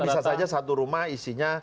bisa saja satu rumah isinya